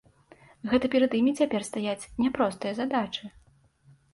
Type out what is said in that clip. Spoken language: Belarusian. Гэта перад імі цяпер стаяць няпростыя задачы.